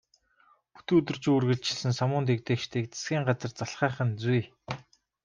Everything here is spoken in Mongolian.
Бүтэн өдөржин үргэлжилсэн самуун дэгдээгчдийг засгийн газар залхаах нь зүй.